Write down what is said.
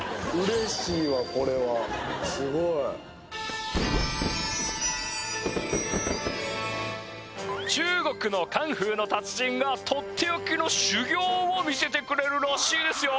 これはすごい中国のカンフーの達人がとっておきの修行を見せてくれるらしいですよ